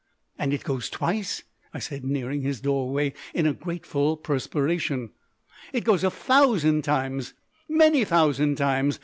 "And it goes twice?" I said, nearing his doorway in a grateful perspiration. "It goes a thousand times, many thousand times!"